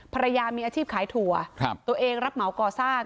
ภรรยามีอาชีพขายถั่วตัวเองรับเหมาก่อสร้าง